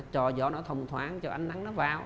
cho gió nó thông thoáng cho ánh nắng nó vào